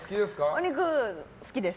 お肉、好きです。